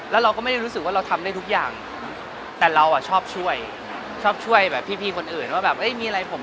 แล้วเราก็ไม่ได้รู้สึกว่าเราทำได้ทุกอย่างแต่เราอ่ะชอบช่วยชอบช่วยแบบพี่คนอื่นว่าแบบเอ้ยมีอะไรผม